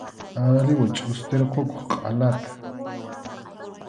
Arariwa chʼustirqukuq qʼalata.